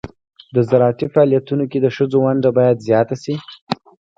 د زراعتي فعالیتونو کې د ښځو ونډه باید زیاته شي.